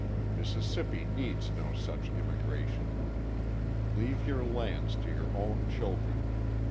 Mississippi needs no such immigration. Leave your lands to your own children.